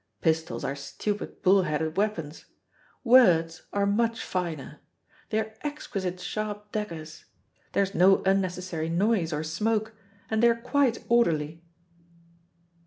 Pistols are stupid bull headed weapons. Words are much finer. They are exquisite sharp daggers. There is no unnecessary noise or smoke, and they are quite orderly."